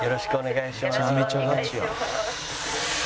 「めちゃめちゃガチやん」